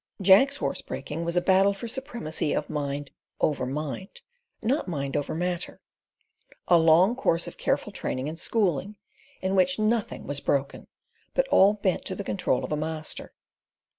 Jack's horse breaking was a battle for supremacy of mind over mind, not mind over matter a long course of careful training and schooling, in which nothing was broken, but all bent to the control of a master.